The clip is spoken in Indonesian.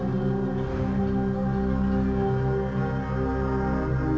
ya mau kemana